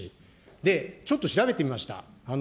で、ちょっと調べてみました。